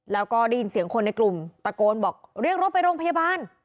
แล้วก็ได้ยินเสียงคนในกลุ่มตะโกนบอกเรียกรถไปโรงพยาบาล